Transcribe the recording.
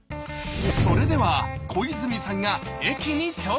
それでは小泉さんが「駅」に挑戦！